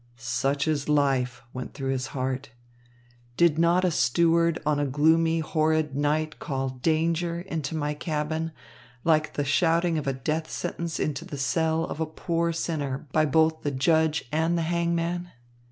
"Such is life," went through his heart. "Did not a steward on a gloomy, horrid night call 'Danger!' into my cabin, like the shouting of a death sentence into the cell of a poor sinner by both the judge and the hangman?